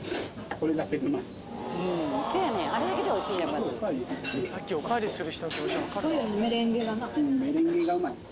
これだけでうまいぞ。